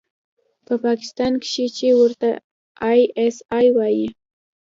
په پاکستان کښې چې ورته آى اس آى وايي.